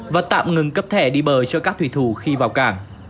và tạm ngừng cấp thẻ đi bờ cho các thủy thủ khi vào cảng